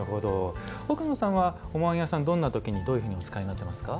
奥野さんはおまんやさん、どんな時にどういうふうにお使いになってますか？